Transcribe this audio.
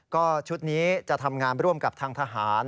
ก็ชุดนี้จะทำงานร่วมกับทางทหาร